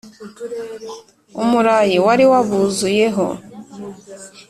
umurayi wari wabuzuyeho.